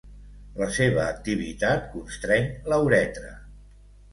La seva activitat constreny la uretra.